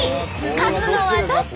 勝つのはどっち！？